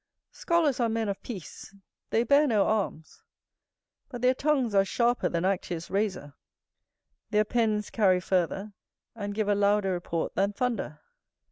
Scholars are men of peace, they bear no arms, but their tongues are sharper than Actius's razor; their pens carry farther, and give a louder report than thunder.